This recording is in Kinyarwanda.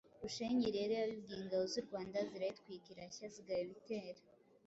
Rushenyi rero yabibwiye ingabo z’u Rwanda zirayitwika irashya zigaba ibitero